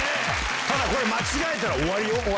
ただ間違えたら終わりよ。